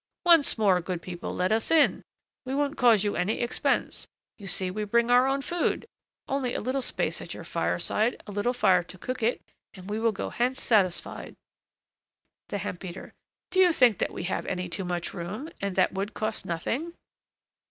Once more, good people, let us in; we won't cause you any expense. You see we bring our own food; only a little space at your fireside, a little fire to cook it, and we will go hence satisfied. THE HEMP BEATER. Do you think that we have any too much room, and that wood costs nothing?